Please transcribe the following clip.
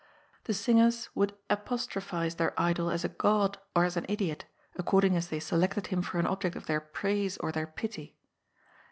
The singers would apos trophise their idol as a god or as an idiot, according as they selected him for an object of their praise or their pity.